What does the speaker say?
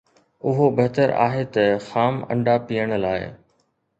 اهو بهتر آهي ته خام انڊا پيئڻ لاء